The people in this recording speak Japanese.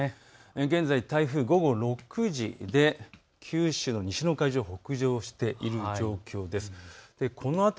現在、台風、午後６時で九州を北上している状況です。